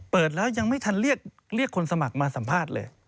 เปิดแล้วยังไม่ทันเรียกคนสมัครมาสัมภาษณ์เลย